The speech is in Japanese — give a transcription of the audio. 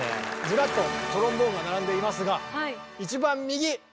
ずらっとトロンボーンが並んでいますが一番右！